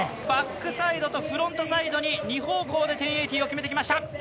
バックサイドとフロントサイドに２方向で１０８０を決めてきました。